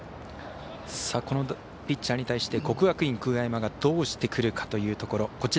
このピッチャーに対して国学院久我山がどうしてくるかというところ。